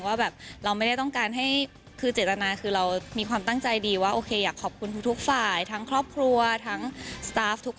คือหลังจากเรามีความตั้งใจดีทั้งครอบครัวทั้งซ์ท็าร์ฟทุกคน